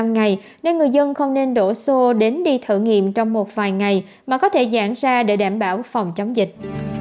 một mươi năm ngày nên người dân không nên đổ xô đến đi thử nghiệm trong một vài ngày mà có thể dạng ra để đảm bảo phòng chống dịch